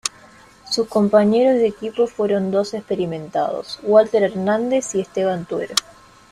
Sus compañeros de equipo fueron dos experimentados: Walter Hernández y Esteban Tuero.